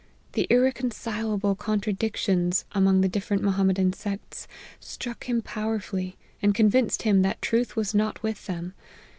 The irreconcilable contradictions among the different Mohammedan sects, struck him powerfully, and convinced him that truth was not with them.